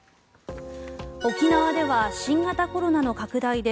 沖縄では新型コロナの拡大で